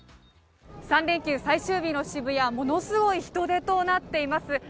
３連休最終日の渋谷、ものすごい人出となっています。